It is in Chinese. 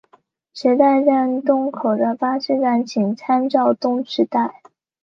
池袋站东口的巴士站请参照东池袋。